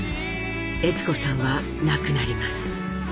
悦子さんは亡くなります。